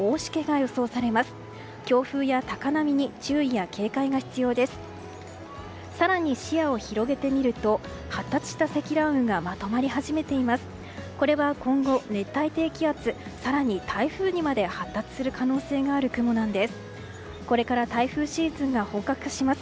これは今後、熱帯低気圧更に台風にまで発達する可能性がある雲なんです。